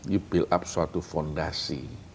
you build up suatu fondasi